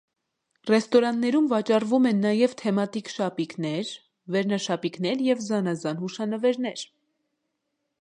Ռեստորաններում վաճառվում են նաև թեմատիկ շապիկներ, վերնաշապիկներ և զանազան հուշանվերներ։